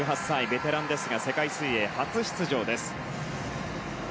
ベテランですが世界水泳初出場です。